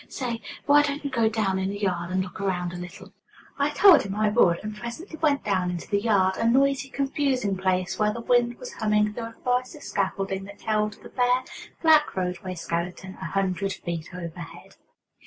Say, why don't you go down in the yard and look around a little?" I told him I would, and presently went down into the yard, a noisy, confusing place, where the wind was humming through a forest of scaffolding that held the bare black roadway skeleton a hundred feet overhead.